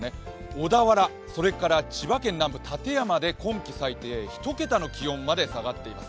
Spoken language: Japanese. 小田原、それから千葉県南部館山で今期最低、１桁まで気温が下がっています。